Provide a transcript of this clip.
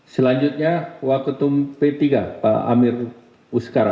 selanjutnya waketum p tiga pak amir uskara